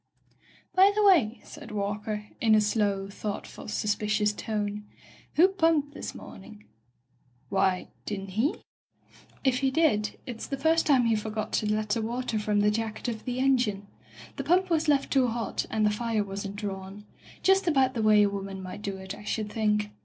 "By the way," said Walker, in a slow, thoughtful, suspicious tone, "who pumped this morning?" "Why— didn't he?" " If he did it's the first time he forgot to let the water from the jacket of the engine. The Digitized by LjOOQ IC By the Sawyer Method pump was left too hot, and the fire wasn't drawn. Just about the way a woman might do it, I should think.